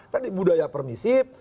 tadi budaya permisif